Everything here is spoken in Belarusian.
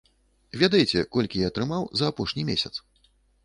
Ведаеце, колькі я атрымаў за апошні месяц?